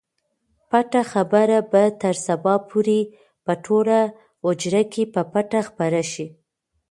پټه خبره به تر سبا پورې په ټوله حجره کې په پټه خپره شي.